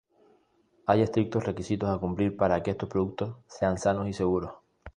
Hay estrictos requisitos a cumplir para que estos productos sean sanos y seguros.